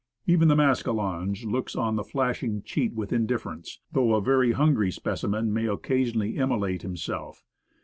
Even the mascalonge looks on the flashing cheat with indifference; though a very hungry specimen may occasionally immolate himself.